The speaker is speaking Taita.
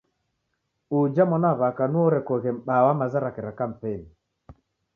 Uja mwanaw'aka nuo orekoghe mbaa wa maza rape ra kampeni.